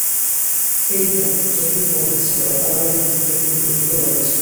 এই নিয়ম যতদিন বলবৎ ছিল তাওরাতের বিধান ততদিন পর্যন্ত বলবৎ ছিল।